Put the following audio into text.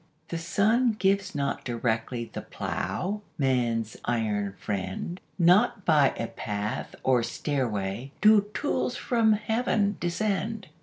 The sun gives not directly The plough, man's iron friend; Not by a path or stairway Do tools from Heaven descend.